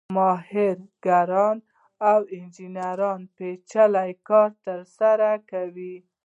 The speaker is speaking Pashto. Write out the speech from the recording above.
ماهر کارګران او انجینران پېچلی کار ترسره کوي